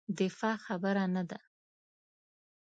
دفاع خبره نه ده.